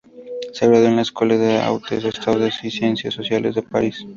Se graduó en la Ecole des Hautes Études en Sciences Sociales de París.